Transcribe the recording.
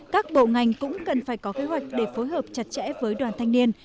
các bộ ngành cũng cần phải có kế hoạch để phối hợp chặt chẽ với đoàn thanh niên